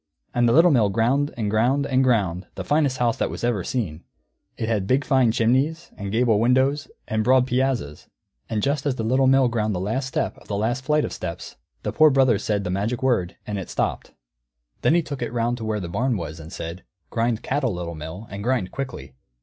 And the Little Mill ground, and ground, and ground the finest house that ever was seen. It had fine big chimneys, and gable windows, and broad piazzas; and just as the Little Mill ground the last step of the last flight of steps, the Poor Brother said the magic word, and it stopped. Then he took it round to where the barn was, and said, "Grind cattle, Little Mill, and grind quickly."